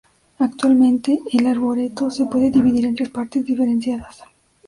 Actualmente el arboreto se puede dividir en tres partes diferenciadas,